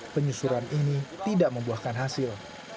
penyusuran ini tidak membuahkan hasil